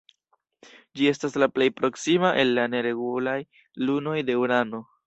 Ĝi estas la plej proksima el la neregulaj lunoj de Urano.